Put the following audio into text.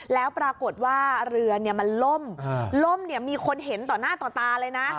แล้วปรากฏว่าเรือมันล่มล่มมีคนเห็นต่อหน้าต่อตาเลยนะ